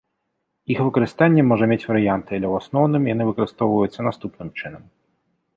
Іх выкарыстанне можа мець варыянты, але ў асноўным, яны выкарыстоўваюцца наступным чынам.